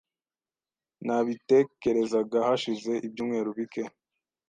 Nabitekerezaga hashize ibyumweru bike.